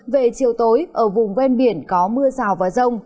về chiều tối ở vùng ven biển có mưa rào và rông